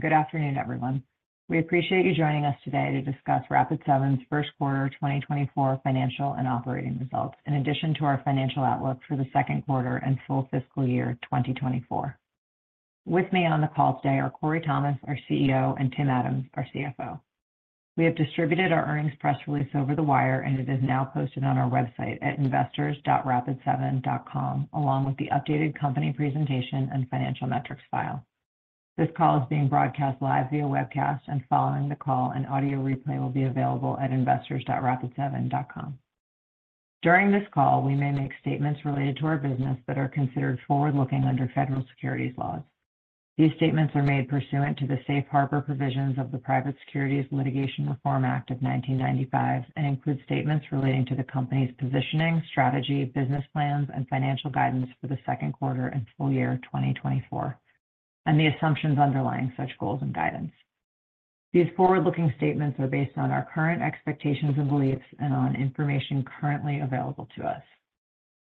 Good afternoon, everyone. We appreciate you joining us today to discuss Rapid7's First Quarter 2024 Financial and Operating Results in addition to our financial outlook for the second quarter and full fiscal year 2024. With me on the call today are Corey Thomas, our CEO, and Tim Adams, our CFO. We have distributed our earnings press release over the wire, and it is now posted on our website at investors.rapid7.com along with the updated company presentation and financial metrics file. This call is being broadcast live via webcast, and following the call, an audio replay will be available at investors.rapid7.com. During this call, we may make statements related to our business that are considered forward-looking under federal securities laws. These statements are made pursuant to the Safe Harbor provisions of the Private Securities Litigation Reform Act of 1995 and include statements relating to the company's positioning, strategy, business plans, and financial guidance for the second quarter and full year 2024, and the assumptions underlying such goals and guidance. These forward-looking statements are based on our current expectations and beliefs and on information currently available to us.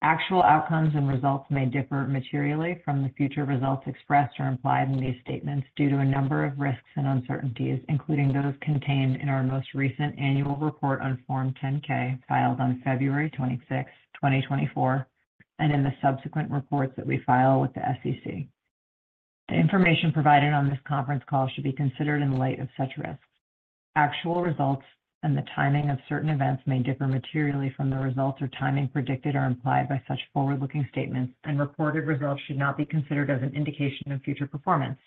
Actual outcomes and results may differ materially from the future results expressed or implied in these statements due to a number of risks and uncertainties, including those contained in our most recent annual report on Form 10-K filed on February 26th, 2024, and in the subsequent reports that we file with the SEC. The information provided on this conference call should be considered in light of such risks. Actual results and the timing of certain events may differ materially from the results or timing predicted or implied by such forward-looking statements, and reported results should not be considered as an indication of future performance.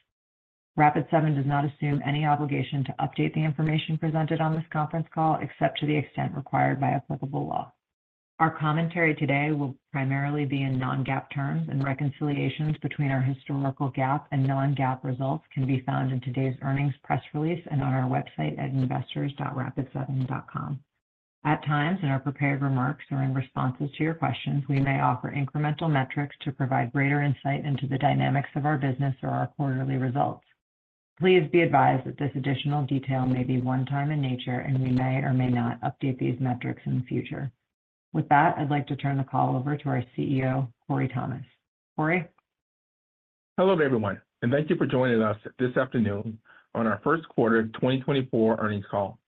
Rapid7 does not assume any obligation to update the information presented on this conference call except to the extent required by applicable law. Our commentary today will primarily be in non-GAAP terms, and reconciliations between our historical GAAP and non-GAAP results can be found in today's earnings press release and on our website at investors.rapid7.com. At times, in our prepared remarks or in responses to your questions, we may offer incremental metrics to provide greater insight into the dynamics of our business or our quarterly results. Please be advised that this additional detail may be one-time in nature, and we may or may not update these metrics in the future. With that, I'd like to turn the call over to our CEO, Corey Thomas. Corey? Hello to everyone, and thank you for joining us this afternoon on our first quarter 2024 earnings call.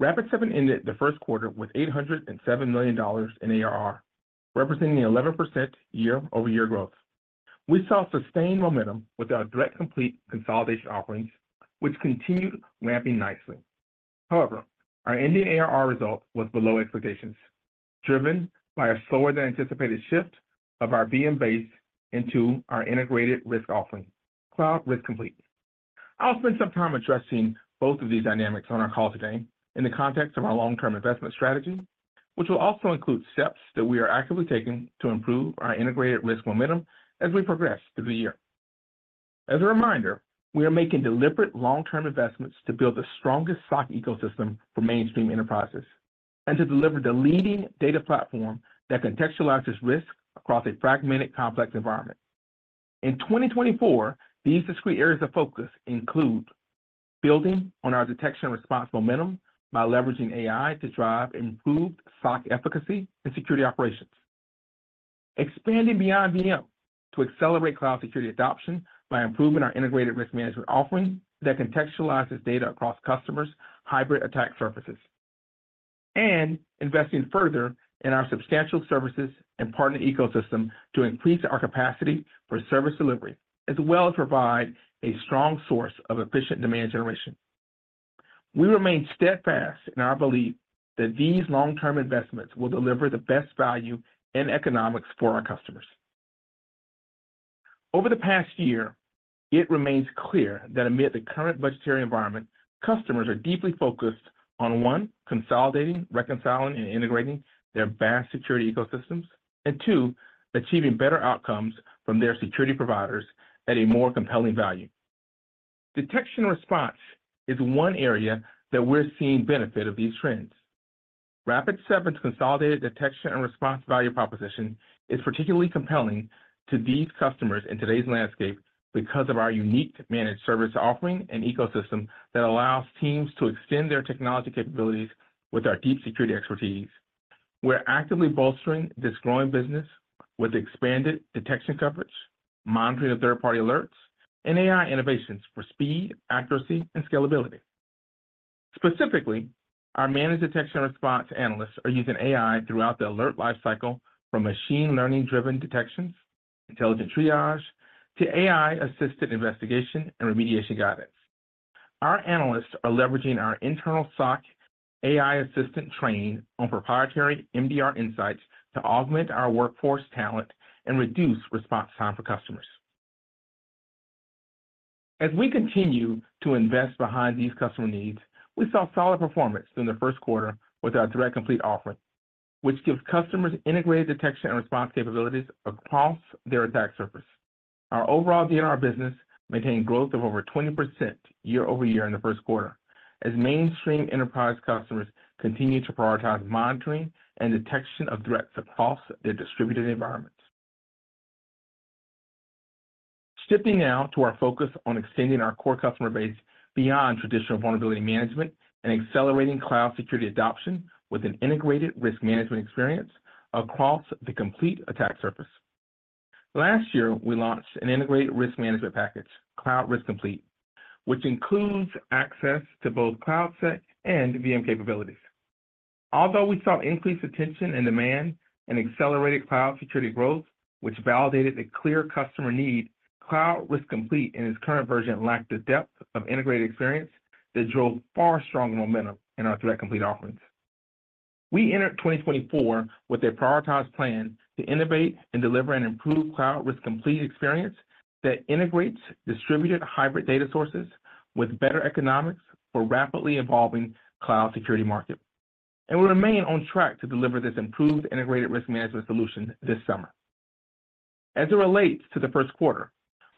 Rapid7 ended the first quarter with $807 million in ARR, representing 11% year-over-year growth. We saw sustained momentum with our direct complete consolidation offerings, which continued ramping nicely. However, our ending ARR result was below expectations, driven by a slower-than-anticipated shift of our VM base into our integrated risk offering, Cloud Risk Complete. I'll spend some time addressing both of these dynamics on our call today in the context of our long-term investment strategy, which will also include steps that we are actively taking to improve our integrated risk momentum as we progress through the year. As a reminder, we are making deliberate long-term investments to build the strongest SOC ecosystem for mainstream enterprises and to deliver the leading data platform that contextualizes risk across a fragmented, complex environment. In 2024, these discrete areas of focus include building on our detection-response momentum by leveraging AI to drive improved SOC efficacy and security operations. Expanding beyond VM to accelerate cloud security adoption by improving our integrated risk management offering that contextualizes data across customers' hybrid attack surfaces. Investing further in our substantial services and partner ecosystem to increase our capacity for service delivery as well as provide a strong source of efficient demand generation. We remain steadfast in our belief that these long-term investments will deliver the best value and economics for our customers. Over the past year, it remains clear that amid the current budgetary environment, customers are deeply focused on, one, consolidating, reconciling, and integrating their vast security ecosystems. Two, achieving better outcomes from their security providers at a more compelling value. Detection response is one area that we're seeing benefit of these trends. Rapid7's consolidated detection and response value proposition is particularly compelling to these customers in today's landscape because of our unique managed service offering and ecosystem that allows teams to extend their technology capabilities with our deep security expertise. We're actively bolstering this growing business with expanded detection coverage, monitoring of third-party alerts, and AI innovations for speed, accuracy, and scalability. Specifically, our managed detection and response analysts are using AI throughout the alert lifecycle from machine learning-driven detections, intelligent triage, to AI-assisted investigation and remediation guidance. Our analysts are leveraging our internal SOC AI-assistant training on proprietary MDR insights to augment our workforce talent and reduce response time for customers. As we continue to invest behind these customer needs, we saw solid performance during the first quarter with our Threat Complete offering, which gives customers integrated detection and response capabilities across their attack surface. Our overall D&R business maintained growth of over 20% year-over-year in the first quarter as mainstream enterprise customers continue to prioritize monitoring and detection of threats across their distributed environments. Shifting now to our focus on extending our core customer base beyond traditional vulnerability management and accelerating cloud security adoption with an integrated risk management experience across the complete attack surface. Last year, we launched an integrated risk management package, Cloud Risk Complete, which includes access to both CloudSec and VM capabilities. Although we saw increased attention and demand and accelerated cloud security growth, which validated the clear customer need, Cloud Risk Complete in its current version lacked the depth of integrated experience that drove far stronger momentum in our Threat Complete offerings. We entered 2024 with a prioritized plan to innovate and deliver an improved Cloud Risk Complete experience that integrates distributed hybrid data sources with better economics for rapidly evolving cloud security markets, and we remain on track to deliver this improved integrated risk management solution this summer. As it relates to the first quarter,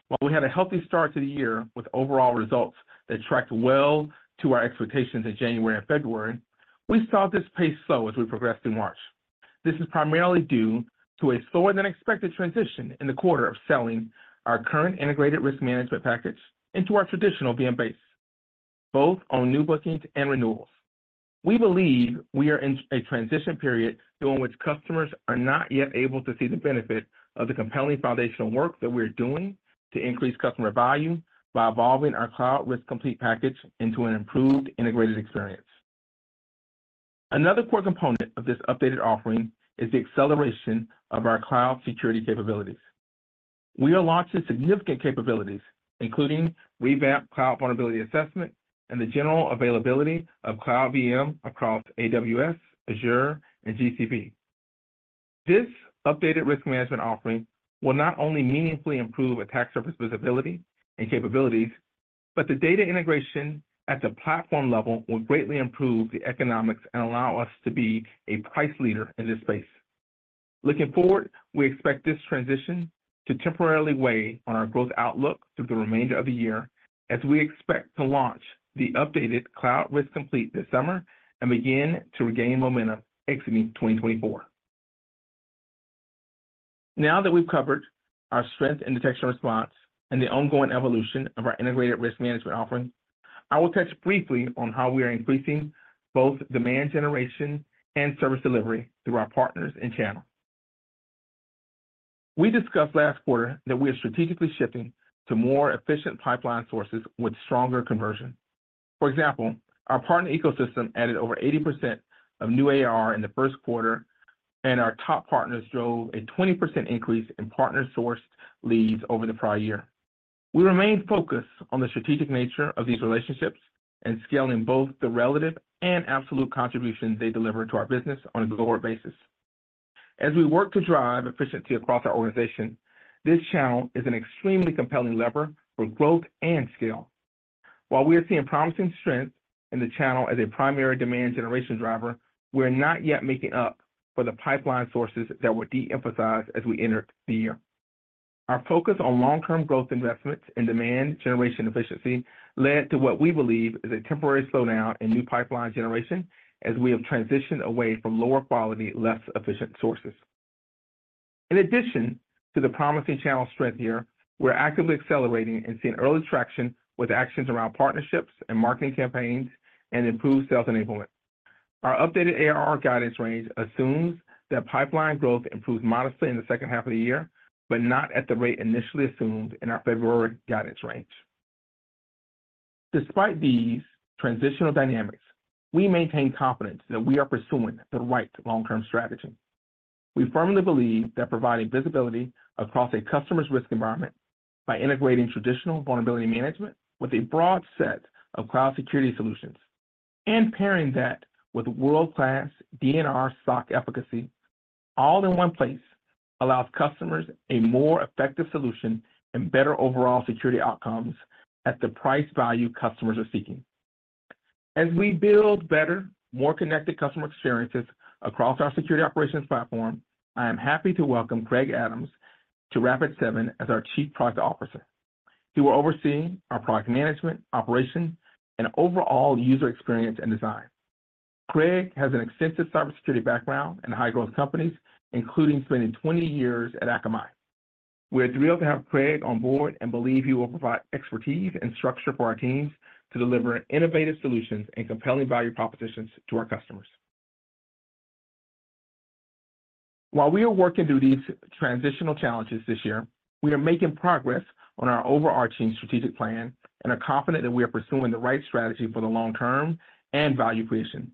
while we had a healthy start to the year with overall results that tracked well to our expectations in January and February, we saw this pace slow as we progressed through March. This is primarily due to a slower-than-expected transition in the quarter of selling our current integrated risk management package into our traditional VM base, both on new bookings and renewals. We believe we are in a transition period during which customers are not yet able to see the benefit of the compelling foundational work that we are doing to increase customer value by evolving our Cloud Risk Complete package into an improved integrated experience. Another core component of this updated offering is the acceleration of our cloud security capabilities. We are launching significant capabilities, including revamped cloud vulnerability assessment and the general availability of Cloud VM across AWS, Azure, and GCP. This updated risk management offering will not only meaningfully improve attack surface visibility and capabilities, but the data integration at the platform level will greatly improve the economics and allow us to be a price leader in this space. Looking forward, we expect this transition to temporarily weigh on our growth outlook through the remainder of the year as we expect to launch the updated Cloud Risk Complete this summer and begin to regain momentum exiting 2024. Now that we've covered our strength in detection response and the ongoing evolution of our integrated risk management offering, I will touch briefly on how we are increasing both demand generation and service delivery through our partners and channels. We discussed last quarter that we are strategically shifting to more efficient pipeline sources with stronger conversion. For example, our partner ecosystem added over 80% of new ARR in the first quarter, and our top partners drove a 20% increase in partner-sourced leads over the prior year. We remain focused on the strategic nature of these relationships and scaling both the relative and absolute contribution they deliver to our business on a global basis. As we work to drive efficiency across our organization, this channel is an extremely compelling lever for growth and scale. While we are seeing promising strength in the channel as a primary demand generation driver, we are not yet making up for the pipeline sources that were de-emphasized as we entered the year. Our focus on long-term growth investments in demand generation efficiency led to what we believe is a temporary slowdown in new pipeline generation as we have transitioned away from lower-quality, less efficient sources. In addition to the promising channel strength here, we're actively accelerating and seeing early traction with actions around partnerships and marketing campaigns and improved sales enablement. Our updated ARR guidance range assumes that pipeline growth improves modestly in the second half of the year but not at the rate initially assumed in our February guidance range. Despite these transitional dynamics, we maintain confidence that we are pursuing the right long-term strategy. We firmly believe that providing visibility across a customer's risk environment by integrating traditional vulnerability management with a broad set of cloud security solutions and pairing that with world-class D&R SOC efficacy, all in one place, allows customers a more effective solution and better overall security outcomes at the price value customers are seeking. As we build better, more connected customer experiences across our security operations platform, I am happy to welcome Craig Adams to Rapid7 as our Chief Product Officer. He will oversee our product management, operation, and overall user experience and design. Craig has an extensive cybersecurity background in high-growth companies, including spending 20 years at Akamai. We are thrilled to have Craig on board and believe he will provide expertise and structure for our teams to deliver innovative solutions and compelling value propositions to our customers. While we are working through these transitional challenges this year, we are making progress on our overarching strategic plan and are confident that we are pursuing the right strategy for the long-term and value creation.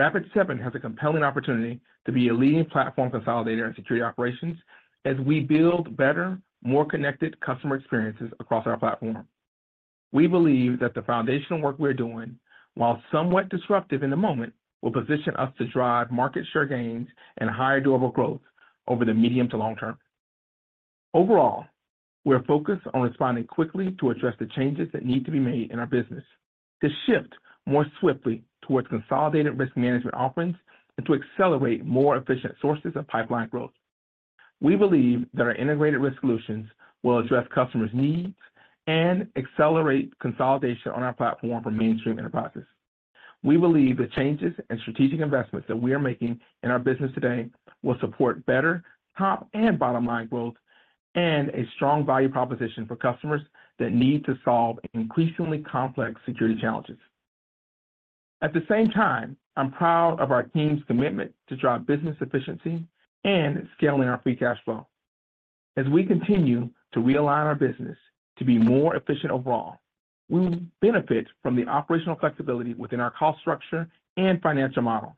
Rapid7 has a compelling opportunity to be a leading platform consolidator in security operations as we build better, more connected customer experiences across our platform. We believe that the foundational work we are doing, while somewhat disruptive in the moment, will position us to drive market share gains and higher durable growth over the medium to long term. Overall, we are focused on responding quickly to address the changes that need to be made in our business to shift more swiftly towards consolidated risk management offerings and to accelerate more efficient sources of pipeline growth. We believe that our integrated risk solutions will address customers' needs and accelerate consolidation on our platform for mainstream enterprises. We believe the changes and strategic investments that we are making in our business today will support better top and bottom line growth and a strong value proposition for customers that need to solve increasingly complex security challenges. At the same time, I'm proud of our team's commitment to drive business efficiency and scaling our free cash flow. As we continue to realign our business to be more efficient overall, we will benefit from the operational flexibility within our cost structure and financial model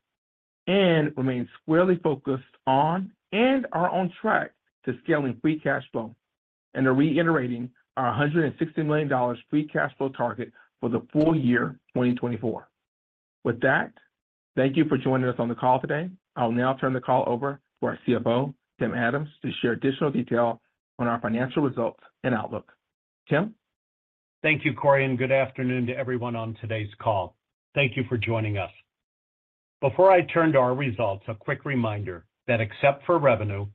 and remain squarely focused on and are on track to scaling free cash flow and reiterating our $160 million free cash flow target for the full year 2024. With that, thank you for joining us on the call today. I'll now turn the call over to our CFO, Tim Adams, to share additional detail on our financial results and outlook. Tim? Thank you, Corey, and good afternoon to everyone on today's call. Thank you for joining us. Before I turn to our results, a quick reminder that except for revenue,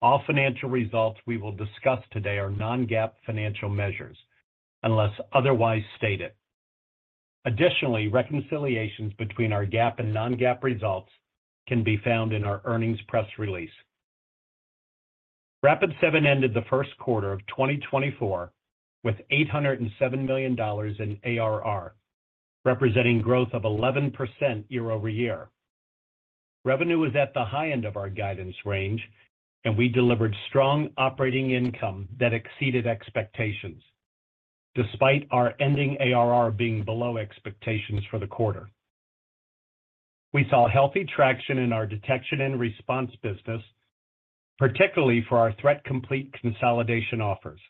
all financial results we will discuss today are non-GAAP financial measures unless otherwise stated. Additionally, reconciliations between our GAAP and non-GAAP results can be found in our earnings press release. Rapid7 ended the first quarter of 2024 with $807 million in ARR, representing growth of 11% year-over-year. Revenue was at the high end of our guidance range, and we delivered strong operating income that exceeded expectations despite our ending ARR being below expectations for the quarter. We saw healthy traction in our detection and response business, particularly for our Threat Complete consolidation offers.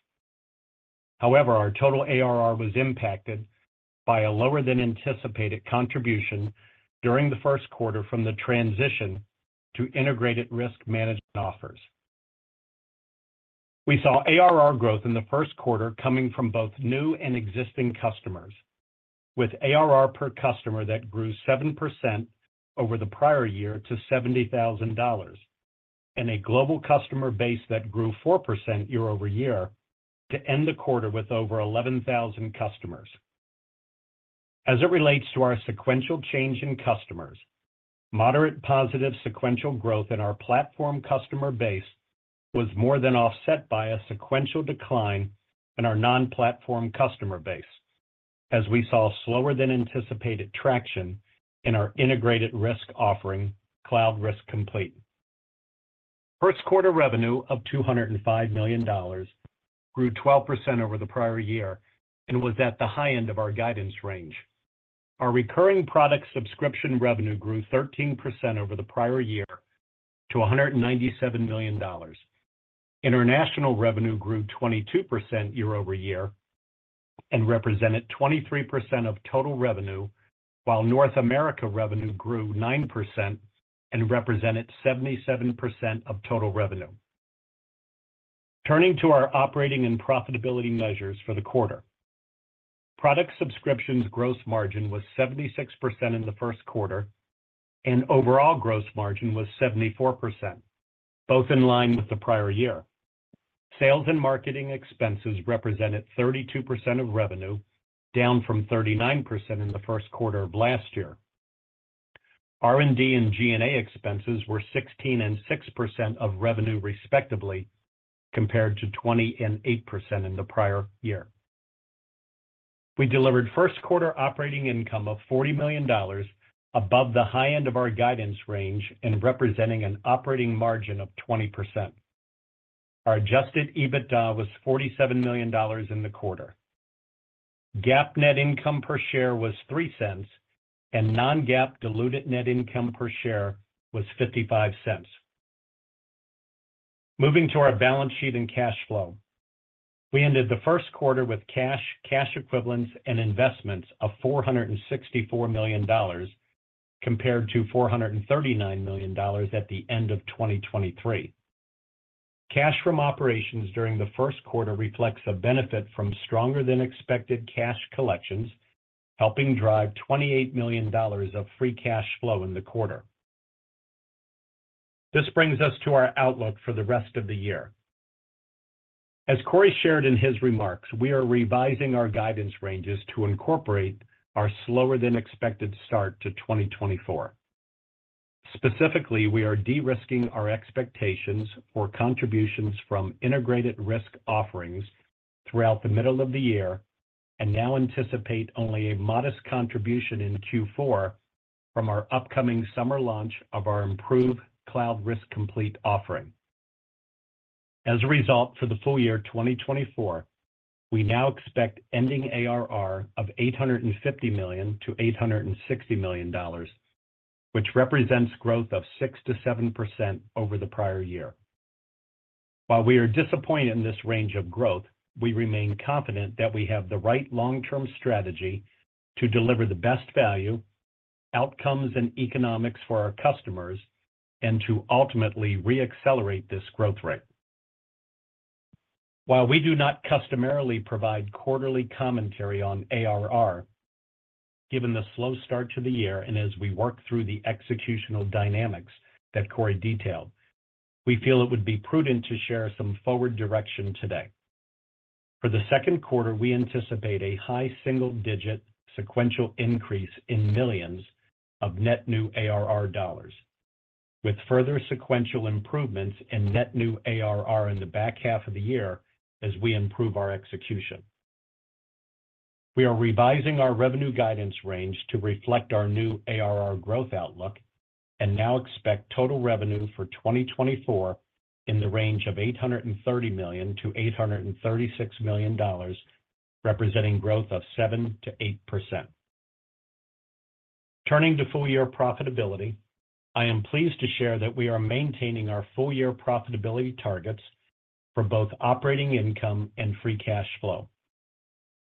However, our total ARR was impacted by a lower-than-anticipated contribution during the first quarter from the transition to integrated risk management offers. We saw ARR growth in the first quarter coming from both new and existing customers, with ARR per customer that grew 7% over the prior year to $70,000 and a global customer base that grew 4% year-over-year to end the quarter with over 11,000 customers. As it relates to our sequential change in customers, moderate positive sequential growth in our platform customer base was more than offset by a sequential decline in our non-platform customer base as we saw slower-than-anticipated traction in our integrated risk offering, Cloud Risk Complete. First quarter revenue of $205 million grew 12% over the prior year and was at the high end of our guidance range. Our recurring product subscription revenue grew 13% over the prior year to $197 million. International revenue grew 22% year-over-year and represented 23% of total revenue, while North America revenue grew 9% and represented 77% of total revenue. Turning to our operating and profitability measures for the quarter, product subscriptions gross margin was 76% in the first quarter, and overall gross margin was 74%, both in line with the prior year. Sales and marketing expenses represented 32% of revenue, down from 39% in the first quarter of last year. R&D and G&A expenses were 16% and 6% of revenue respectively, compared to 20% and 8% in the prior year. We delivered first quarter operating income of $40 million above the high end of our guidance range and representing an operating margin of 20%. Our adjusted EBITDA was $47 million in the quarter. GAAP net income per share was $0.03, and non-GAAP diluted net income per share was $0.55. Moving to our balance sheet and cash flow, we ended the first quarter with cash, cash equivalents, and investments of $464 million compared to $439 million at the end of 2023. Cash from operations during the first quarter reflects a benefit from stronger-than-expected cash collections, helping drive $28 million of free cash flow in the quarter. This brings us to our outlook for the rest of the year. As Corey shared in his remarks, we are revising our guidance ranges to incorporate our slower-than-expected start to 2024. Specifically, we are de-risking our expectations for contributions from integrated risk offerings throughout the middle of the year and now anticipate only a modest contribution in Q4 from our upcoming summer launch of our improved Cloud Risk Complete offering. As a result, for the full year 2024, we now expect ending ARR of $850 million-$860 million, which represents growth of 6% to 7% over the prior year. While we are disappointed in this range of growth, we remain confident that we have the right long-term strategy to deliver the best value, outcomes, and economics for our customers and to ultimately re-accelerate this growth rate. While we do not customarily provide quarterly commentary on ARR given the slow start to the year and as we work through the executional dynamics that Corey detailed, we feel it would be prudent to share some forward direction today. For the second quarter, we anticipate a high-single-digit sequential increase in millions of net new ARR dollars, with further sequential improvements in net new ARR in the back half of the year as we improve our execution. We are revising our revenue guidance range to reflect our new ARR growth outlook and now expect total revenue for 2024 in the range of $830 million-$836 million, representing growth of 7% to 8%. Turning to full-year profitability, I am pleased to share that we are maintaining our full-year profitability targets for both operating income and free cash flow.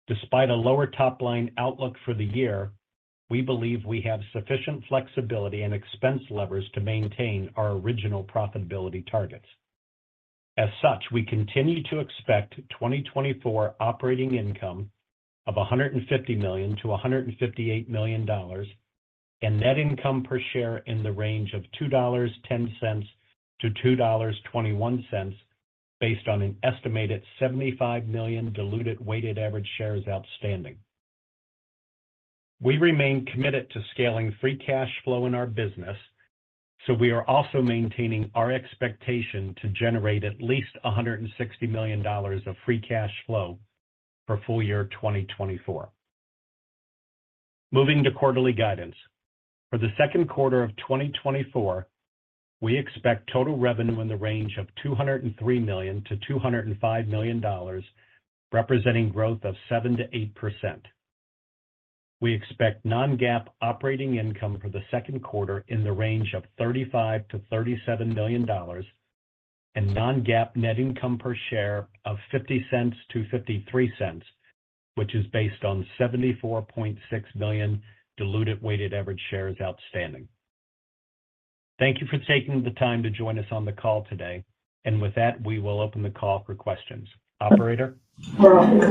Despite a lower top line outlook for the year, we believe we have sufficient flexibility and expense levers to maintain our original profitability targets. As such, we continue to expect 2024 operating income of $150 million-$158 million and net income per share in the range of $2.10-$2.21 based on an estimated 75 million diluted weighted average shares outstanding. We remain committed to scaling free cash flow in our business, so we are also maintaining our expectation to generate at least $160 million of free cash flow for full year 2024. Moving to quarterly guidance, for the second quarter of 2024, we expect total revenue in the range of $203 million-$205 million, representing growth of 7% to 8%. We expect non-GAAP operating income for the second quarter in the range of $35 million-$37 million and non-GAAP net income per share of $0.50-$0.53, which is based on 74.6 million diluted weighted average shares outstanding. Thank you for taking the time to join us on the call today. With that, we will open the call for questions. Operator? For all.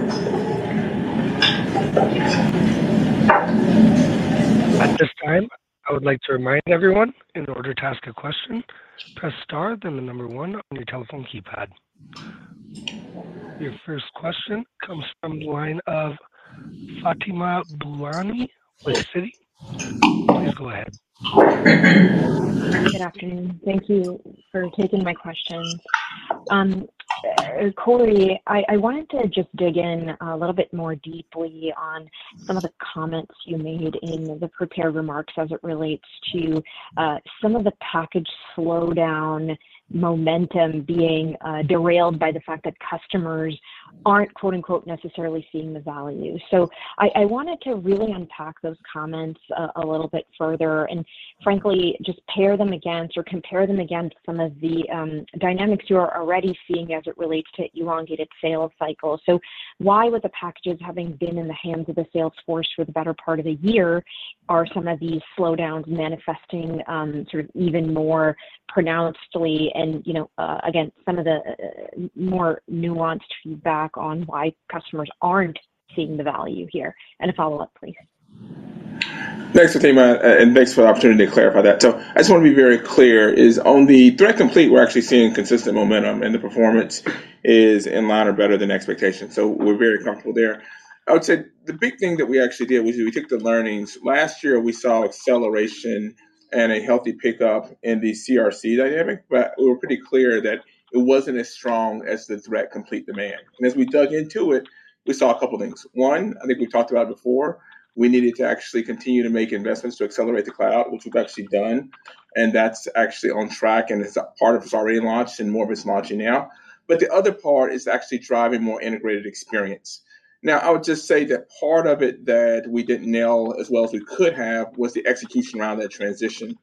At this time, I would like to remind everyone, in order to ask a question, press star, then the number one on your telephone keypad. Your first question comes from the line of Fatima Boolani with Citi. Please go ahead. Good afternoon. Thank you for taking my question. Corey, I wanted to just dig in a little bit more deeply on some of the comments you made in the prepared remarks as it relates to some of the package slowdown momentum being derailed by the fact that customers aren't "necessarily seeing the value." So I wanted to really unpack those comments a little bit further and, frankly, just pair them against or compare them against some of the dynamics you are already seeing as it relates to elongated sales cycles. So why, with the packages having been in the hands of the sales force for the better part of the year, are some of these slowdowns manifesting sort of even more pronouncedly and, again, some of the more nuanced feedback on why customers aren't seeing the value here? And a follow-up, please. Thanks, Fatima, and thanks for the opportunity to clarify that. So I just want to be very clear: on the Threat Complete, we're actually seeing consistent momentum, and the performance is in line or better than expectations. So we're very comfortable there. I would say the big thing that we actually did was we took the learnings. Last year, we saw acceleration and a healthy pickup in the CRC dynamic, but we were pretty clear that it wasn't as strong as the Threat Complete demand. And as we dug into it, we saw a couple of things. One, I think we've talked about before, we needed to actually continue to make investments to accelerate the cloud, which we've actually done. And that's actually on track, and part of it's already launched and more of it's launching now. But the other part is actually driving more integrated experience. Now, I would just say that part of it that we didn't nail as well as we could have was the execution around that transition.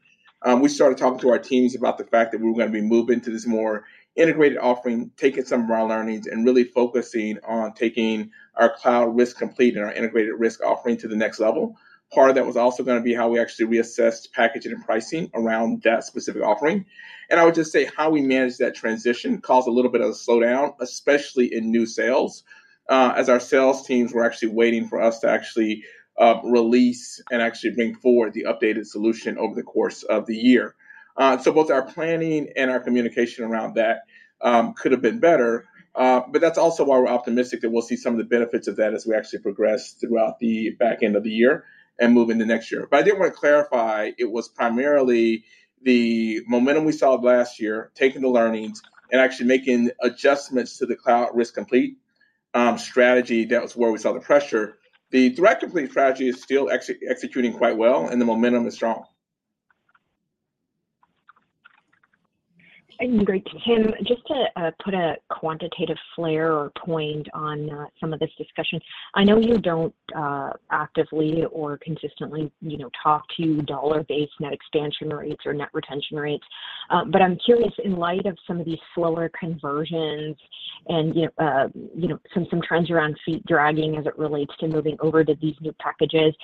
We started talking to our teams about the fact that we were going to be moving to this more integrated offering, taking some of our learnings, and really focusing on taking our Cloud Risk Complete and our integrated risk offering to the next level. Part of that was also going to be how we actually reassessed packaging and pricing around that specific offering. And I would just say how we managed that transition caused a little bit of a slowdown, especially in new sales, as our sales teams were actually waiting for us to actually release and actually bring forward the updated solution over the course of the year. Both our planning and our communication around that could have been better. But that's also why we're optimistic that we'll see some of the benefits of that as we actually progress throughout the back end of the year and move into next year. But I did want to clarify it was primarily the momentum we saw last year, taking the learnings, and actually making adjustments to the Cloud Risk Complete strategy. That was where we saw the pressure. The Threat Complete strategy is still executing quite well, and the momentum is strong. Great. Tim, just to put a quantitative flair or point on some of this discussion, I know you don't actively or consistently talk to dollar-based net expansion rates or net retention rates. But I'm curious, in light of some of these slower conversions and some trends around feet dragging as it relates to moving over to these new packages,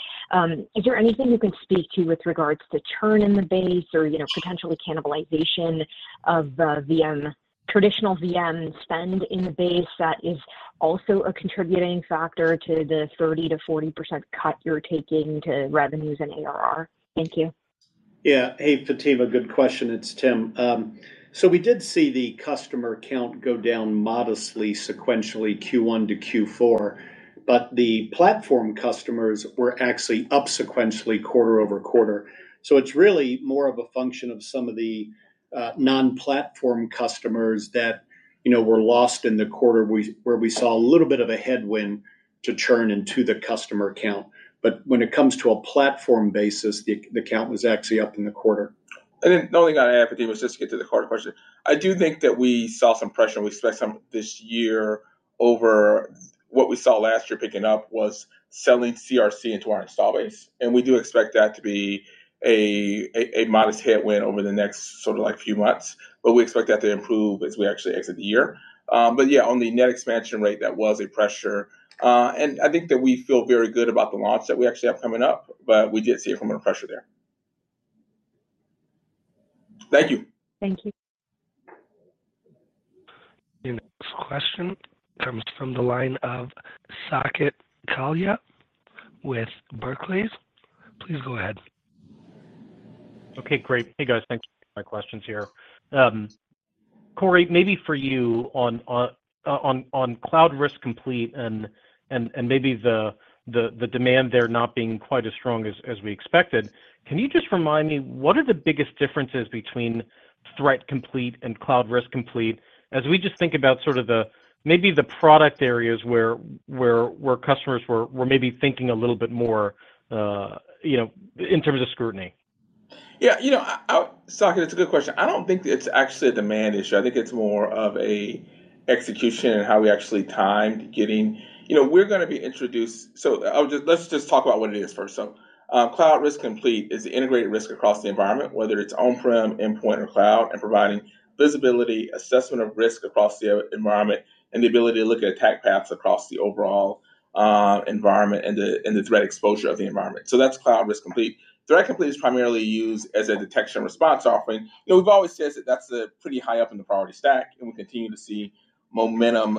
is there anything you can speak to with regards to churn in the base or potentially cannibalization of traditional VM spend in the base that is also a contributing factor to the 30%-40% cut you're taking to revenues and ARR? Thank you. Yeah. Hey, Fatima. Good question. It's Tim. So we did see the customer count go down modestly sequentially Q1 to Q4, but the platform customers were actually up sequentially quarter over quarter. So it's really more of a function of some of the non-platform customers that were lost in the quarter where we saw a little bit of a headwind to churn into the customer count. But when it comes to a platform basis, the count was actually up in the quarter. The only thing I had for you was just to get to the hard question. I do think that we saw some pressure. We expect some this year over what we saw last year picking up was selling CRC into our install base. And we do expect that to be a modest headwind over the next sort of few months. But we expect that to improve as we actually exit the year. But yeah, on the net expansion rate, that was a pressure. And I think that we feel very good about the launch that we actually have coming up, but we did see a moment of pressure there. Thank you. Thank you. The next question comes from the line of Saket Kalia with Barclays. Please go ahead. Okay. Great. Hey, guys. Thanks for my questions here. Corey, maybe for you on Cloud Risk Complete and maybe the demand there not being quite as strong as we expected, can you just remind me what are the biggest differences between Threat Complete and Cloud Risk Complete as we just think about sort of maybe the product areas where customers were maybe thinking a little bit more in terms of scrutiny? Yeah. Saket, it's a good question. I don't think it's actually a demand issue. I think it's more of an execution and how we actually timed getting we're going to be introduced so let's just talk about what it is first. So Cloud Risk Complete is the integrated risk across the environment, whether it's on-prem, endpoint, or cloud, and providing visibility, assessment of risk across the environment, and the ability to look at attack paths across the overall environment and the threat exposure of the environment. So that's Cloud Risk Complete. Threat Complete is primarily used as a detection response offering. We've always said that that's pretty high up in the priority stack, and we continue to see momentum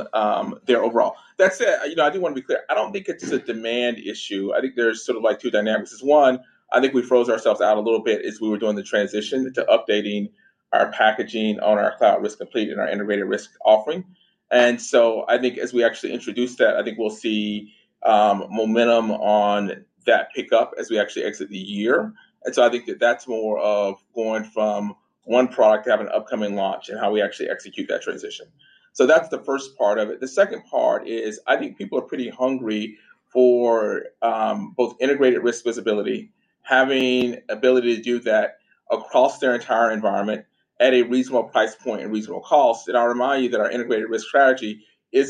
there overall. That said, I do want to be clear. I don't think it's a demand issue. I think there's sort of two dynamics. One, I think we froze ourselves out a little bit as we were doing the transition to updating our packaging on our Cloud Risk Complete and our integrated risk offering. And so I think as we actually introduce that, I think we'll see momentum on that pickup as we actually exit the year. And so I think that that's more of going from one product to have an upcoming launch and how we actually execute that transition. So that's the first part of it. The second part is I think people are pretty hungry for both integrated risk visibility, having the ability to do that across their entire environment at a reasonable price point and reasonable cost. And I'll remind you that our integrated risk strategy is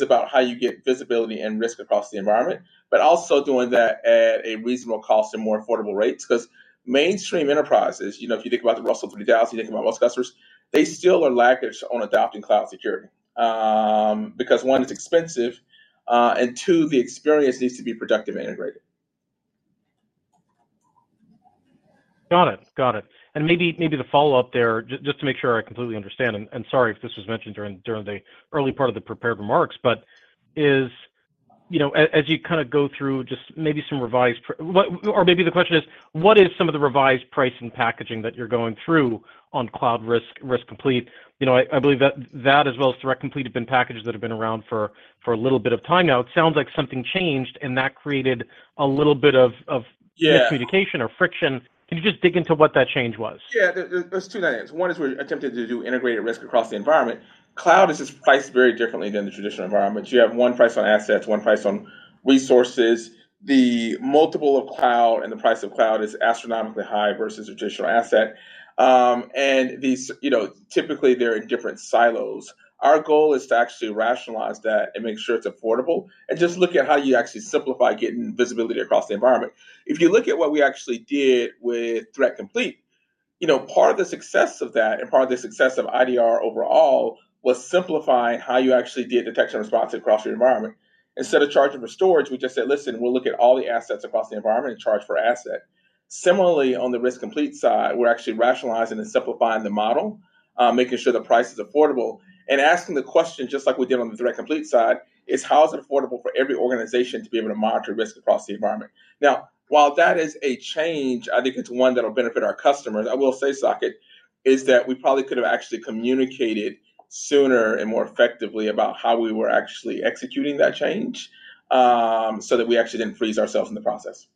about how you get visibility and risk across the environment, but also doing that at a reasonable cost and more affordable rates. Because mainstream enterprises, if you think about the Russell 3000, you think about Wells Fargo, they still are laggards on adopting cloud security because, one, it's expensive, and two, the experience needs to be productive and integrated. Got it. Got it. And maybe the follow-up there, just to make sure I completely understand and sorry if this was mentioned during the early part of the prepared remarks, but as you kind of go through just maybe some revised or maybe the question is, what is some of the revised pricing packaging that you're going through on Cloud Risk Complete? I believe that as well as Threat Complete have been packages that have been around for a little bit of time now. It sounds like something changed, and that created a little bit of miscommunication or friction. Can you just dig into what that change was? Yeah. There's two dynamics. One is we attempted to do integrated risk across the environment. Cloud is just priced very differently than the traditional environment. You have one price on assets, one price on resources. The multiple of cloud and the price of cloud is astronomically high versus traditional asset. And typically, they're in different silos. Our goal is to actually rationalize that and make sure it's affordable and just look at how you actually simplify getting visibility across the environment. If you look at what we actually did with Threat Complete, part of the success of that and part of the success of IDR overall was simplifying how you actually did detection response across your environment. Instead of charging for storage, we just said, "Listen, we'll look at all the assets across the environment and charge per asset." Similarly, on the risk complete side, we're actually rationalizing and simplifying the model, making sure the price is affordable. And asking the question, just like we did on the Threat Complete side, is, "How is it affordable for every organization to be able to monitor risk across the environment?" Now, while that is a change, I think it's one that will benefit our customers. I will say, Saket, that we probably could have actually communicated sooner and more effectively about how we were actually executing that change so that we actually didn't freeze ourselves in the process.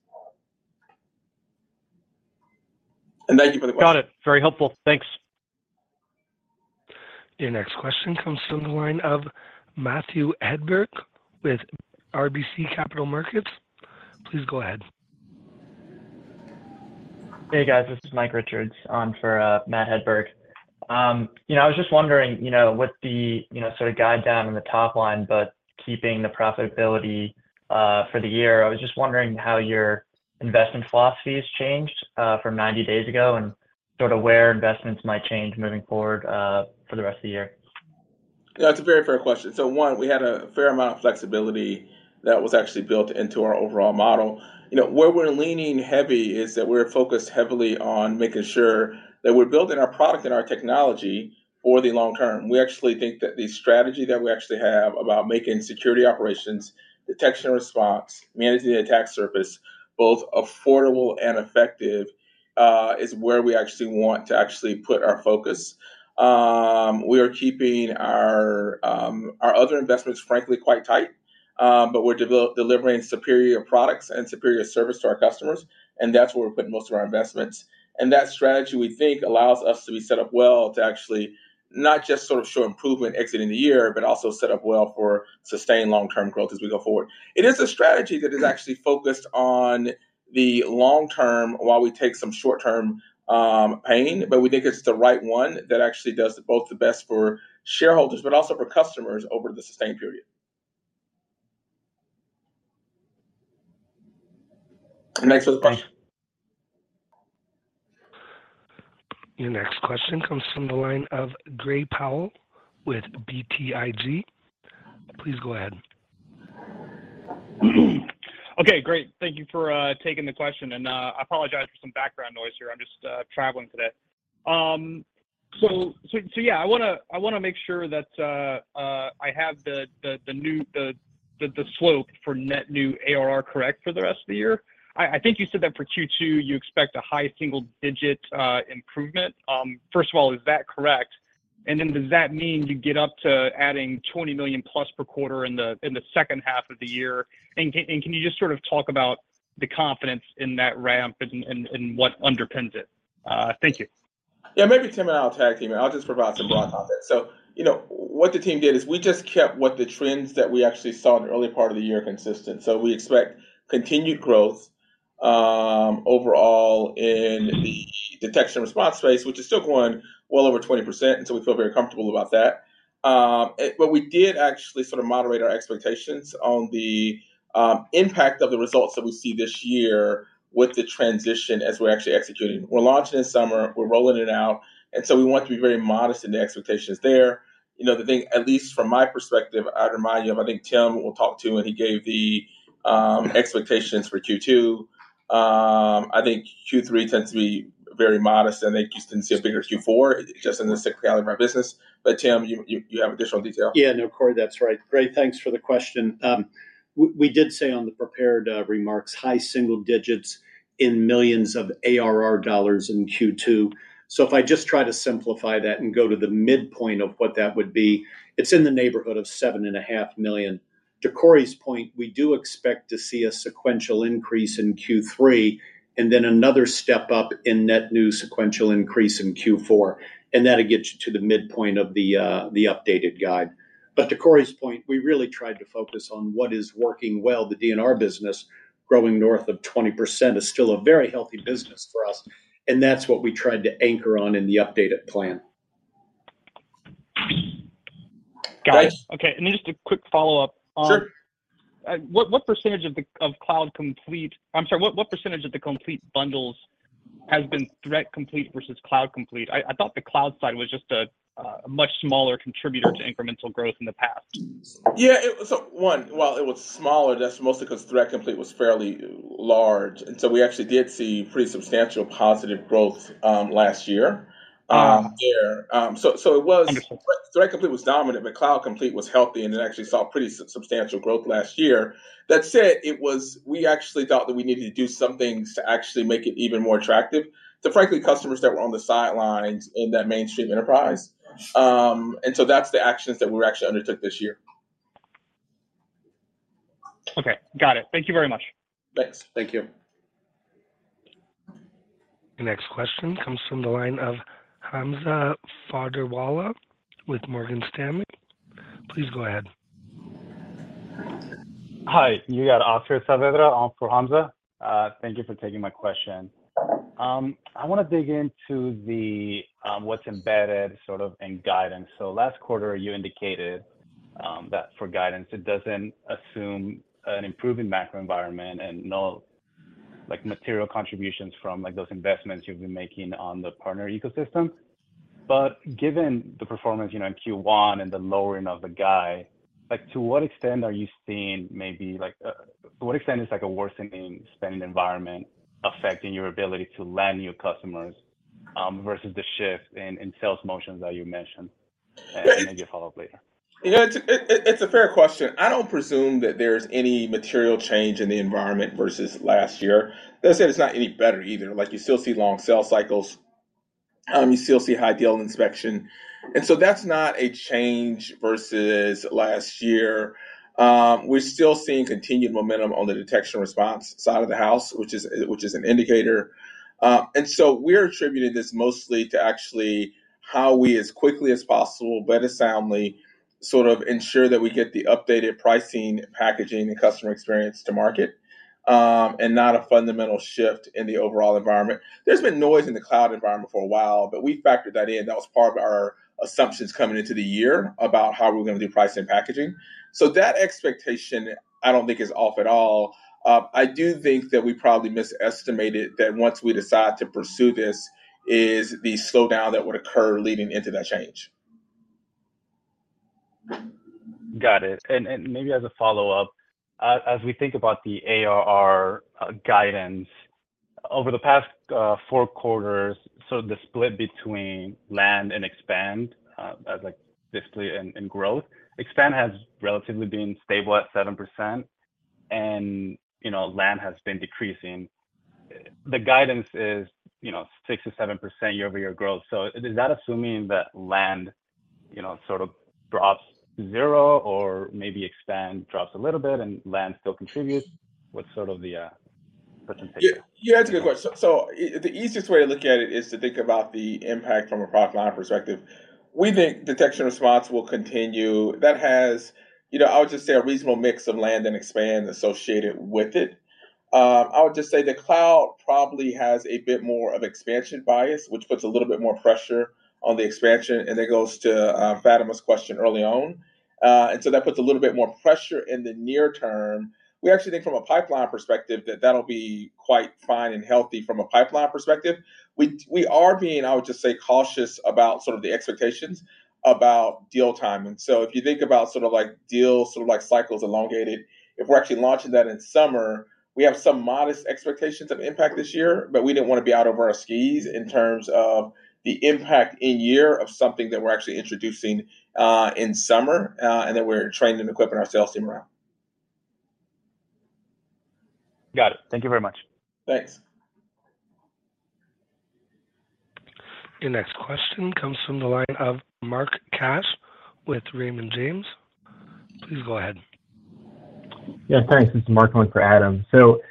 And thank you for the question. Got it. Very helpful. Thanks. Your next question comes from the line of Matthew Hedberg with RBC Capital Markets. Please go ahead. Hey, guys. This is Mike Richards on for Matt Hedberg. I was just wondering, with the sort of guideline in the top line but keeping the profitability for the year, I was just wondering how your investment philosophy has changed from 90 days ago and sort of where investments might change moving forward for the rest of the year. Yeah. That's a very fair question. So one, we had a fair amount of flexibility that was actually built into our overall model. Where we're leaning heavy is that we're focused heavily on making sure that we're building our product and our technology for the long term. We actually think that the strategy that we actually have about making security operations, detection response, managing the attack surface both affordable and effective is where we actually want to actually put our focus. We are keeping our other investments, frankly, quite tight, but we're delivering superior products and superior service to our customers. And that's where we're putting most of our investments. And that strategy, we think, allows us to be set up well to actually not just sort of show improvement exiting the year but also set up well for sustained long-term growth as we go forward. It is a strategy that is actually focused on the long term while we take some short-term pain, but we think it's the right one that actually does both the best for shareholders but also for customers over the sustained period. Next question. Your next question comes from the line of Gray Powell with BTIG. Please go ahead. Okay. Great. Thank you for taking the question. And I apologize for some background noise here. I'm just traveling today. So yeah, I want to make sure that I have the slope for net new ARR correct for the rest of the year. I think you said that for Q2, you expect a high-single-digit improvement. First of all, is that correct? And then does that mean you get up to adding $20 million+ per quarter in the second half of the year? And can you just sort of talk about the confidence in that ramp and what underpins it? Thank you. Yeah. Maybe Tim and I will tag him. I'll just provide some broad context. So what the team did is we just kept what the trends that we actually saw in the early part of the year consistent. So we expect continued growth overall in the detection response space, which is still growing well over 20%. And so we feel very comfortable about that. But we did actually sort of moderate our expectations on the impact of the results that we see this year with the transition as we're actually executing. We're launching in summer. We're rolling it out. And so we want to be very modest in the expectations there. The thing, at least from my perspective, I'd remind you of. I think Tim will talk too, and he gave the expectations for Q2. I think Q3 tends to be very modest. I think you just didn't see a bigger Q4 just in the fiscal calendar of our business. But Tim, you have additional detail. Yeah. No, Corey, that's right. Great. Thanks for the question. We did say on the prepared remarks, high single digits in millions of ARR dollars in Q2. So if I just try to simplify that and go to the midpoint of what that would be, it's in the neighborhood of $7.5 million. To Corey's point, we do expect to see a sequential increase in Q3 and then another step up in net new sequential increase in Q4. And that'll get you to the midpoint of the updated guide. But to Corey's point, we really tried to focus on what is working well. The D&R business, growing north of 20%, is still a very healthy business for us. And that's what we tried to anchor on in the updated plan. Got it. Okay. And then just a quick follow-up. Sure. What percentage of Cloud Complete? I'm sorry. What percentage of the complete bundles has been Threat Complete versus Cloud Complete? I thought the cloud side was just a much smaller contributor to incremental growth in the past. Yeah. So one, while it was smaller, that's mostly because Threat Complete was fairly large. And so we actually did see pretty substantial positive growth last year there. So Threat Complete was dominant, but Cloud Complete was healthy, and it actually saw pretty substantial growth last year. That said, we actually thought that we needed to do some things to actually make it even more attractive to, frankly, customers that were on the sidelines in that mainstream enterprise. And so that's the actions that we actually undertook this year. Okay. Got it. Thank you very much. Thanks. Thank you. Your next question comes from the line of Hamza Fodderwala with Morgan Stanley. Please go ahead. Hi. You've got Oscar Saavedra for Hamza. Thank you for taking my question. I want to dig into what's embedded sort of in guidance. So last quarter, you indicated that for guidance, it doesn't assume an improving macro environment and no material contributions from those investments you've been making on the partner ecosystem. But given the performance in Q1 and the lowering of the guidance, to what extent are you seeing maybe to what extent is a worsening spending environment affecting your ability to land new customers versus the shift in sales motions that you mentioned? And maybe a follow-up later. It's a fair question. I don't presume that there's any material change in the environment versus last year. That said, it's not any better either. You still see long sales cycles. You still see high deal inspection. And so that's not a change versus last year. We're still seeing continued momentum on the detection response side of the house, which is an indicator. And so we're attributing this mostly to actually how we, as quickly as possible, better soundly sort of ensure that we get the updated pricing, packaging, and customer experience to market and not a fundamental shift in the overall environment. There's been noise in the cloud environment for a while, but we factored that in. That was part of our assumptions coming into the year about how we were going to do pricing and packaging. So that expectation, I don't think, is off at all. I do think that we probably misestimated that once we decide to pursue this is the slowdown that would occur leading into that change. Got it. And maybe as a follow-up, as we think about the ARR guidance, over the past four quarters, sort of the split between land and expand as display and growth, expand has relatively been stable at 7%, and land has been decreasing. The guidance is 6%-7% year-over-year growth. So is that assuming that land sort of drops zero or maybe expand drops a little bit and land still contributes? What's sort of the percentage? Yeah. That's a good question. So the easiest way to look at it is to think about the impact from a product line perspective. We think detection response will continue. That has, I would just say, a reasonable mix of land and expand associated with it. I would just say the cloud probably has a bit more of expansion bias, which puts a little bit more pressure on the expansion. And that goes to Fatima's question early on. And so that puts a little bit more pressure in the near term. We actually think from a pipeline perspective that that'll be quite fine and healthy from a pipeline perspective. We are being, I would just say, cautious about sort of the expectations about deal time. And so if you think about sort of deal sort of cycles elongated, if we're actually launching that in summer, we have some modest expectations of impact this year, but we didn't want to be out over our skis in terms of the impact in year of something that we're actually introducing in summer and that we're training and equipping our sales team around. Got it. Thank you very much. Thanks. Your next question comes from the line of Mark Cash with Raymond James. Please go ahead. Yeah. Thanks. This is Mark going for Adam. So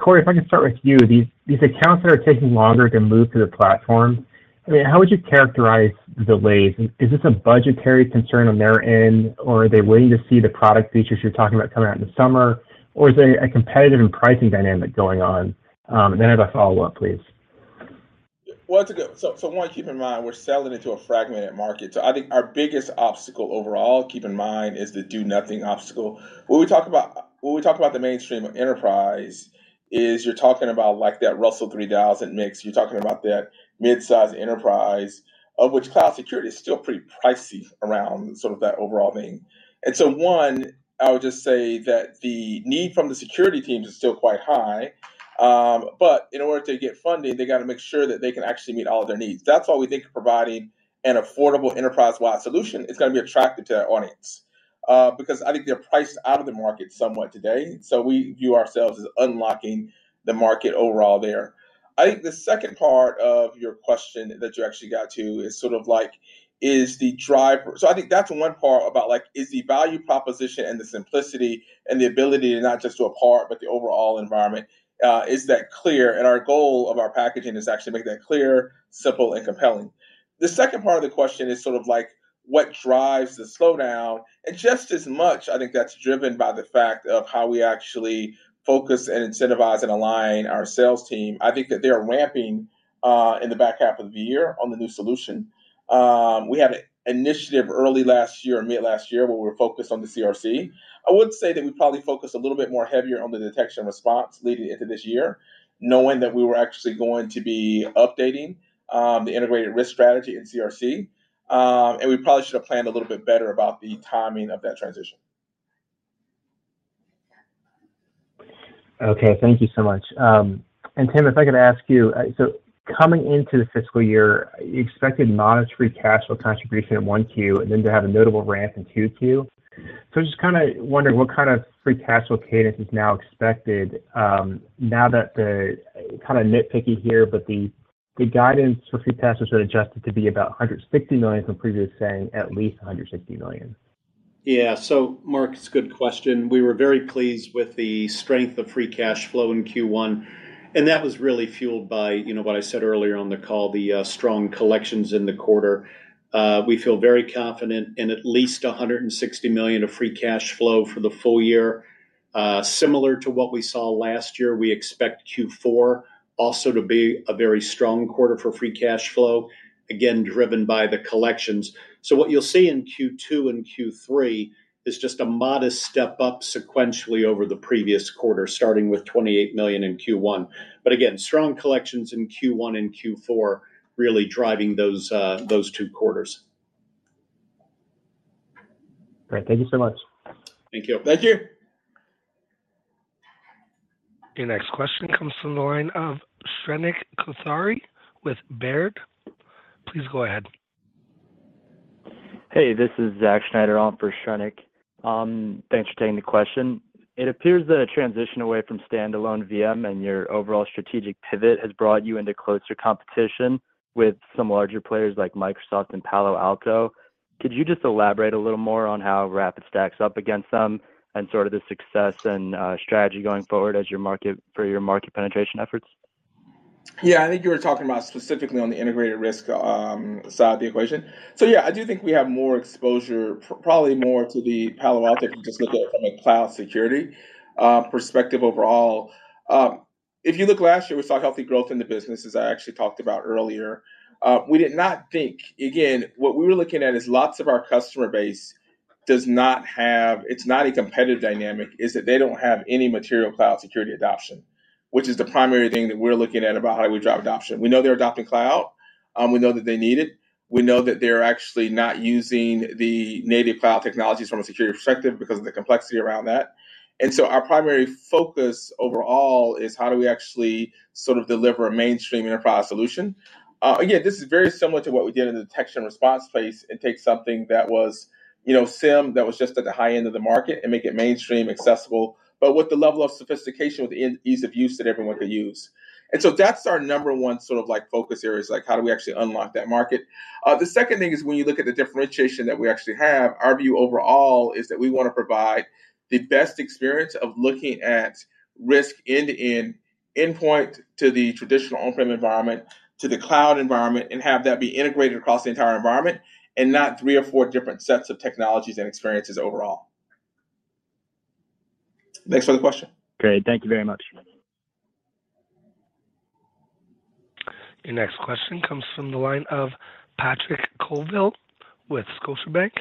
Corey, if I can start with you, these accounts that are taking longer to move to the platform, I mean, how would you characterize the delays? Is this a budgetary concern on their end, or are they waiting to see the product features you're talking about coming out in the summer, or is there a competitive and pricing dynamic going on? And then have a follow-up, please. Well, that's a good one. So one, keep in mind, we're selling into a fragmented market. So I think our biggest obstacle overall, keep in mind, is the do-nothing obstacle. When we talk about the mainstream enterprise, you're talking about that Russell 3000 mix. You're talking about that midsize enterprise, of which cloud security is still pretty pricey around sort of that overall thing. And so one, I would just say that the need from the security teams is still quite high. But in order to get funding, they got to make sure that they can actually meet all of their needs. That's all we think of providing an affordable enterprise-wide solution is going to be attractive to that audience because I think they're priced out of the market somewhat today. So we view ourselves as unlocking the market overall there. I think the second part of your question that you actually got to is sort of like, is the driver? So I think that's one part about the value proposition and the simplicity and the ability to not just do a part but the overall environment, is that clear? Our goal of our packaging is actually to make that clear, simple, and compelling. The second part of the question is sort of like, what drives the slowdown? Just as much, I think that's driven by the fact of how we actually focus and incentivize and align our sales team. I think that they are ramping in the back half of the year on the new solution. We had an initiative early last year and mid last year where we were focused on the CRC. I would say that we probably focused a little bit more heavier on the detection response leading into this year, knowing that we were actually going to be updating the integrated risk strategy in CRC. And we probably should have planned a little bit better about the timing of that transition. Okay. Thank you so much. Tim, if I could ask you, so coming into the fiscal year, you expected monetary cash flow contribution in Q1 and then to have a notable ramp in Q2. So I was just kind of wondering what kind of free cash flow cadence is now expected now that, kind of nitpicky here, but the guidance for free cash flow has been adjusted to be about $160 million from previous saying at least $160 million. Yeah. So Mark, it's a good question. We were very pleased with the strength of free cash flow in Q1. And that was really fueled by what I said earlier on the call, the strong collections in the quarter. We feel very confident in at least $160 million of free cash flow for the full year. Similar to what we saw last year, we expect Q4 also to be a very strong quarter for free cash flow, again, driven by the collections. So what you'll see in Q2 and Q3 is just a modest step up sequentially over the previous quarter, starting with $28 million in Q1. But again, strong collections in Q1 and Q4 really driving those two quarters. Great. Thank you so much. Thank you. Thank you. Your next question comes from the line of Shrenik Kothari with Baird. Please go ahead. Hey. This is Zach Schneider on for Shrenik. Thanks for taking the question. It appears that a transition away from standalone VM and your overall strategic pivot has brought you into closer competition with some larger players like Microsoft and Palo Alto. Could you just elaborate a little more on how Rapid stacks up against them and sort of the success and strategy going forward for your market penetration efforts? Yeah. I think you were talking about specifically on the integrated risk side of the equation. So yeah, I do think we have more exposure, probably more to the Palo Alto if you just look at it from a cloud security perspective overall. If you look last year, we saw healthy growth in the business, as I actually talked about earlier. We did not think again, what we were looking at is lots of our customer base does not have. It's not a competitive dynamic, is that they don't have any material cloud security adoption, which is the primary thing that we're looking at about how do we drive adoption. We know they're adopting cloud. We know that they need it. We know that they're actually not using the native cloud technologies from a security perspective because of the complexity around that. And so our primary focus overall is how do we actually sort of deliver a mainstream enterprise solution? Again, this is very similar to what we did in the detection response space and take something that was SIEM that was just at the high end of the market and make it mainstream, accessible, but with the level of sophistication, with the ease of use that everyone could use. And so that's our number one sort of focus areas, how do we actually unlock that market? The second thing is when you look at the differentiation that we actually have, our view overall is that we want to provide the best experience of looking at risk end-to-end, endpoint to the traditional on-prem environment, to the cloud environment, and have that be integrated across the entire environment and not three or four different sets of technologies and experiences overall. Thanks for the question. Great. Thank you very much. Your next question comes from the line of Patrick Colville with Scotiabank.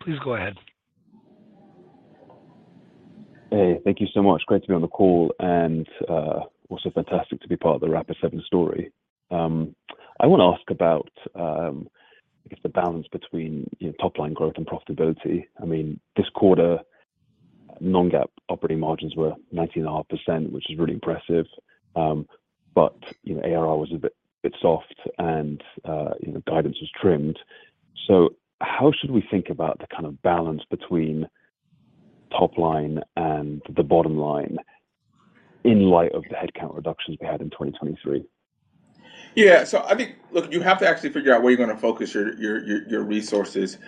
Please go ahead. Hey. Thank you so much. Great to be on the call and also fantastic to be part of the Rapid7 story. I want to ask about, I guess, the balance between top-line growth and profitability. I mean, this quarter, non-GAAP operating margins were 19.5%, which is really impressive. But ARR was a bit soft and guidance was trimmed. So how should we think about the kind of balance between top-line and the bottom line in light of the headcount reductions we had in 2023? Yeah. So I think, look, you have to actually figure out where you're going to focus your resources.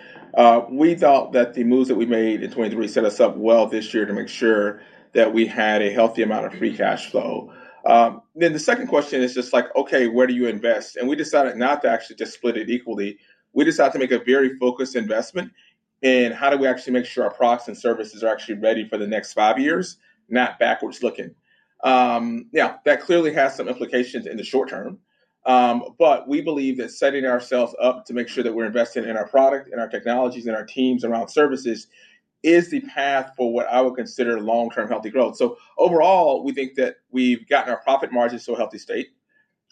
We thought that the moves that we made in 2023 set us up well this year to make sure that we had a healthy amount of free cash flow. Then the second question is just like, okay, where do you invest? And we decided not to actually just split it equally. We decided to make a very focused investment in how do we actually make sure our products and services are actually ready for the next five years, not backwards looking. Now, that clearly has some implications in the short term. But we believe that setting ourselves up to make sure that we're investing in our product, in our technologies, in our teams, around services is the path for what I would consider long-term healthy growth. Overall, we think that we've gotten our profit margins to a healthy state.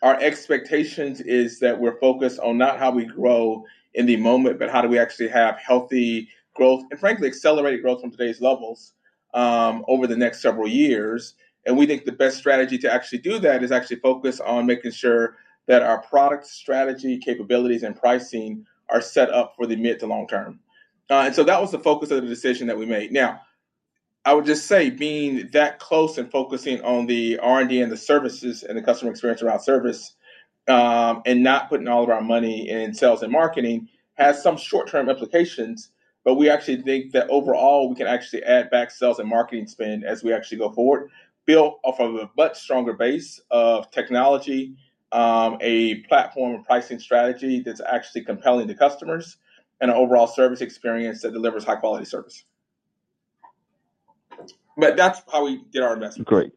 Our expectation is that we're focused on not how we grow in the moment, but how do we actually have healthy growth and, frankly, accelerated growth from today's levels over the next several years. We think the best strategy to actually do that is actually focus on making sure that our product strategy, capabilities, and pricing are set up for the mid to long term. That was the focus of the decision that we made. Now, I would just say, being that close and focusing on the R&D and the services and the customer experience around service and not putting all of our money in sales and marketing has some short-term implications. But we actually think that overall, we can actually add back sales and marketing spend as we actually go forward, build off of a much stronger base of technology, a platform and pricing strategy that's actually compelling to customers, and an overall service experience that delivers high-quality service. But that's how we did our investment. Great.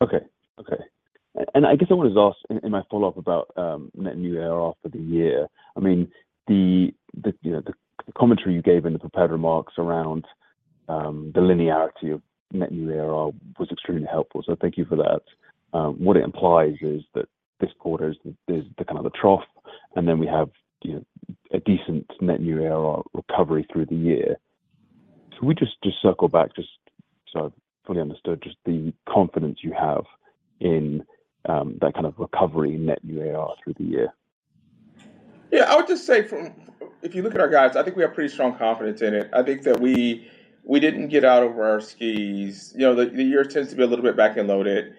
Okay. Okay. I guess I want to just ask in my follow-up about net new ARR for the year. I mean, the commentary you gave in the prepared remarks around the linearity of net new ARR was extremely helpful. So thank you for that. What it implies is that this quarter is the kind of the trough, and then we have a decent net new ARR recovery through the year. Can we just circle back, just so I've fully understood, just the confidence you have in that kind of recovery in net new ARR through the year? Yeah. I would just say, if you look at our guys, I think we have pretty strong confidence in it. I think that we didn't get out over our skis. The year tends to be a little bit back-loaded.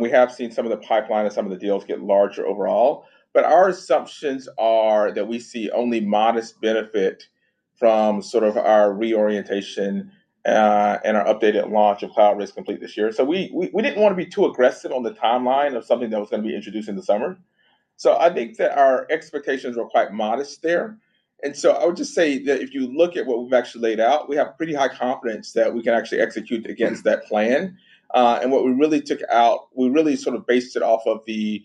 We have seen some of the pipeline and some of the deals get larger overall. But our assumptions are that we see only modest benefit from sort of our reorientation and our updated launch of Cloud Risk Complete this year. So we didn't want to be too aggressive on the timeline of something that was going to be introduced in the summer. So I think that our expectations were quite modest there. And so I would just say that if you look at what we've actually laid out, we have pretty high confidence that we can actually execute against that plan. What we really took out, we really sort of based it off of the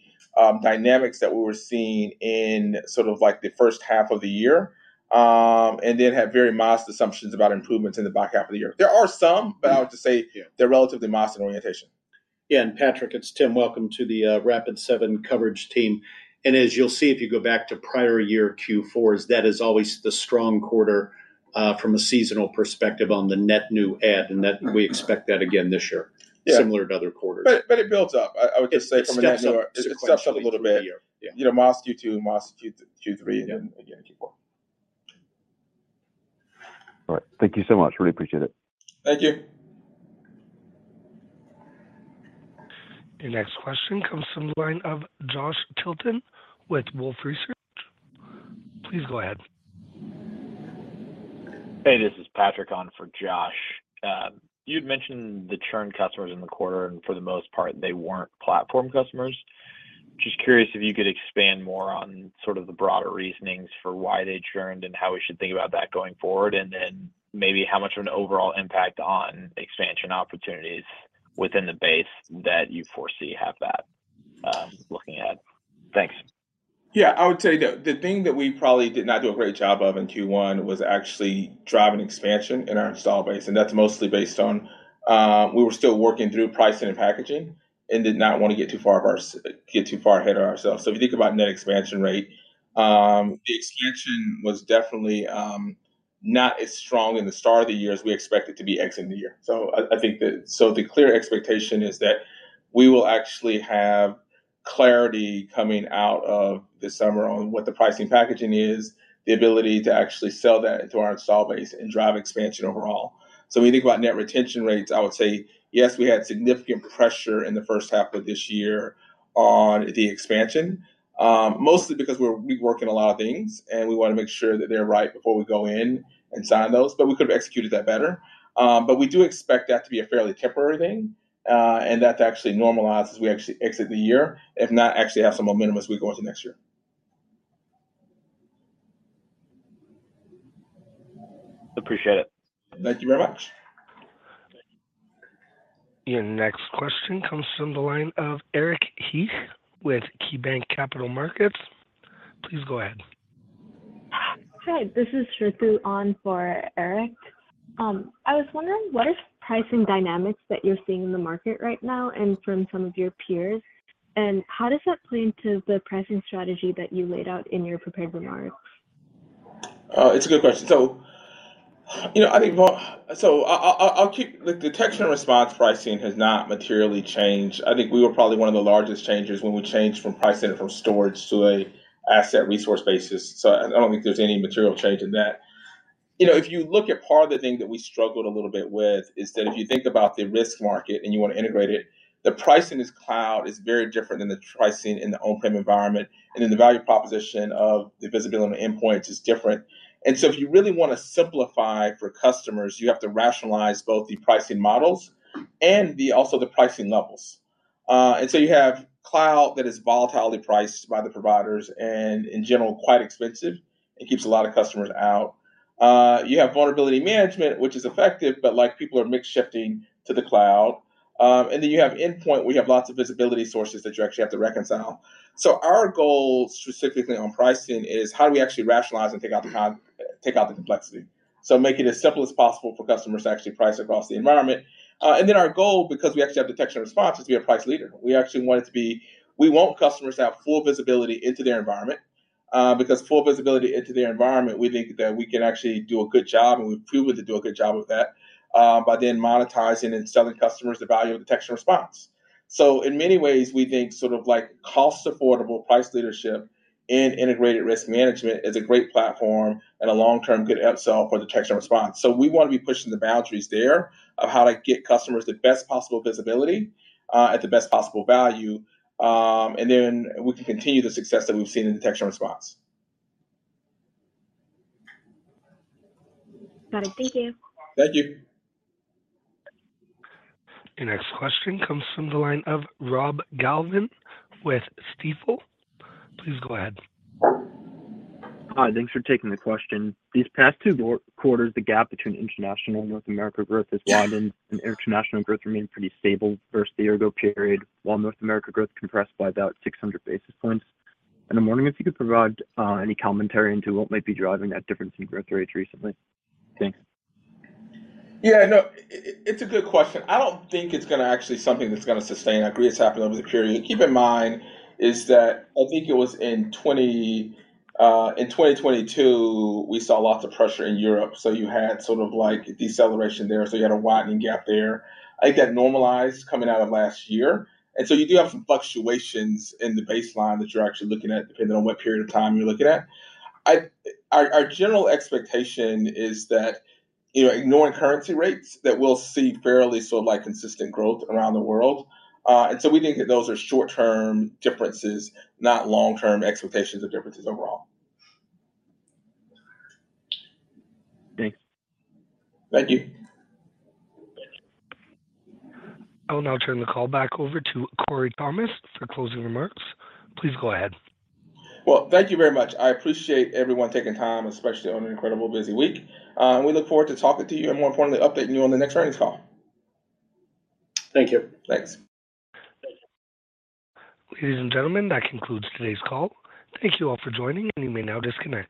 dynamics that we were seeing in sort of the first half of the year and then had very modest assumptions about improvements in the back half of the year. There are some, but I would just say they're relatively modest in orientation. Yeah. Patrick, it's Tim. Welcome to the Rapid7 coverage team. As you'll see, if you go back to prior-year Q4s, that is always the strong quarter from a seasonal perspective on the net new add. We expect that again this year, similar to other quarters. But it builds up. I would just say from a net new add. It steps up a little bit. Modest Q2, modest Q3, and then again Q4. All right. Thank you so much. Really appreciate it. Thank you. Your next question comes from the line of Josh Tilton with Wolfe Research. Please go ahead. Hey. This is Patrick on for Josh. You had mentioned the churn customers in the quarter, and for the most part, they weren't platform customers. Just curious if you could expand more on sort of the broader reasonings for why they churned and how we should think about that going forward, and then maybe how much of an overall impact on expansion opportunities within the base that you foresee have that looking ahead. Thanks. Yeah. I would say the thing that we probably did not do a great job of in Q1 was actually driving expansion in our install base. And that's mostly based on we were still working through pricing and packaging and did not want to get too far ahead of ourselves. So if you think about net expansion rate, the expansion was definitely not as strong in the start of the year as we expected to be exiting the year. So the clear expectation is that we will actually have clarity coming out of the summer on what the pricing packaging is, the ability to actually sell that into our install base and drive expansion overall. So when you think about net retention rates, I would say, yes, we had significant pressure in the first half of this year on the expansion, mostly because we're reworking a lot of things, and we want to make sure that they're right before we go in and sign those. But we could have executed that better. But we do expect that to be a fairly temporary thing and that actually normalizes as we actually exit the year, if not actually have some momentum as we go into next year. Appreciate it. Thank you very much. Your next question comes from the line of Eric Heath with KeyBanc Capital Markets. Please go ahead. Hi. This is Ritu on for Eric. I was wondering, what are pricing dynamics that you're seeing in the market right now and from some of your peers? And how does that play into the pricing strategy that you laid out in your prepared remarks? It's a good question. So I think so I'll keep the detection response pricing has not materially changed. I think we were probably one of the largest changes when we changed from pricing and from storage to an asset resource basis. So I don't think there's any material change in that. If you look at part of the thing that we struggled a little bit with is that if you think about the risk market and you want to integrate it, the pricing in cloud is very different than the pricing in the on-prem environment. And then the value proposition of the visibility on the endpoints is different. And so if you really want to simplify for customers, you have to rationalize both the pricing models and also the pricing levels. You have cloud that is volatilely priced by the providers and, in general, quite expensive and keeps a lot of customers out. You have vulnerability management, which is effective, but people are mix-shifting to the cloud. Then you have endpoint where you have lots of visibility sources that you actually have to reconcile. Our goal specifically on pricing is how do we actually rationalize and take out the complexity, so make it as simple as possible for customers to actually price across the environment? Our goal, because we actually have detection response, is to be a price leader. We actually want it to be we want customers to have full visibility into their environment. Because full visibility into their environment, we think that we can actually do a good job, and we're fueled to do a good job of that by then monetizing and selling customers the value of detection response. So in many ways, we think sort of cost-affordable price leadership and integrated risk management is a great platform and a long-term good upsell for detection response. So we want to be pushing the boundaries there of how to get customers the best possible visibility at the best possible value. And then we can continue the success that we've seen in detection response. Got it. Thank you. Thank you. Your next question comes from the line of Rob Galvin with Stifel. Please go ahead. Hi. Thanks for taking the question. These past two quarters, the gap between international and North America growth has widened, and international growth remained pretty stable versus the year-ago period while North America growth compressed by about 600 basis points. In the morning, if you could provide any commentary into what might be driving that difference in growth rates recently? Thanks. Yeah. No, it's a good question. I don't think it's going to actually be something that's going to sustain. I agree it's happened over the period. Keep in mind is that I think it was in 2022, we saw lots of pressure in Europe. So you had sort of deceleration there. So you had a widening gap there. I think that normalized coming out of last year. And so you do have some fluctuations in the baseline that you're actually looking at depending on what period of time you're looking at. Our general expectation is that ignoring currency rates, that we'll see fairly sort of consistent growth around the world. And so we think that those are short-term differences, not long-term expectations of differences overall. Thanks. Thank you. I will now turn the call back over to Corey Thomas for closing remarks. Please go ahead. Well, thank you very much. I appreciate everyone taking time, especially on an incredibly busy week. We look forward to talking to you and, more importantly, updating you on the next earnings call. Thank you. Thanks. Ladies and gentlemen, that concludes today's call. Thank you all for joining, and you may now disconnect.